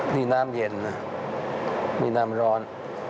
มีน้ำเย็นนะมีน้ำร้อน